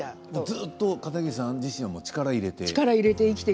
ずっと片桐さんは力を入れて？